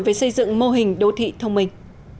về xây dựng mô hình đô thị thông minh